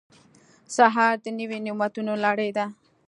سهار د نوي نعمتونو لړۍ ده.